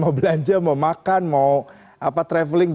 mau belanja mau makan mau traveling